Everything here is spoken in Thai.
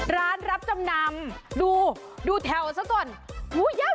ร้านรับจำนำดูดูแถวสักต่อน